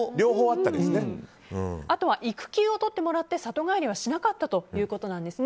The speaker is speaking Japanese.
あと育休をとってもらって里帰りはしなかったということです。